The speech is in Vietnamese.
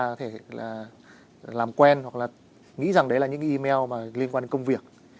có thể là làm quen hoặc là nghĩ rằng đấy là những cái email mà liên quan đến công việc